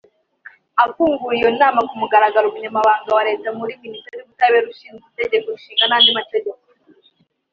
Afungura iyo nama ku mugaragaro umunyamabanga wa Leta muri Minisiteri y’ubutabera ushinzwe Itegeko nshinga n’andi mategeko